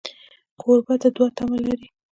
کوربه د دوعا تمه لري.